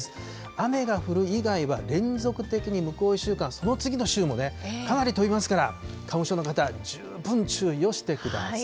雨が降る以外は連続的に向こう１週間、その次の週もね、かなり飛びますから、花粉症の方、十分注意をしてください。